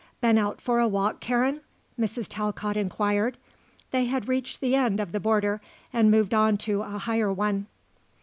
"Been out for a walk, Karen?" Mrs. Talcott inquired. They had reached the end of the border and moved on to a higher one.